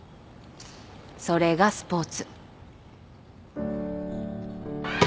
それがスポーツ。